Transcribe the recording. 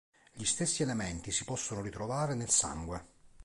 Gli stessi elementi si possono ritrovare nel sangue.